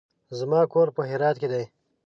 زما کور په هرات کې دی.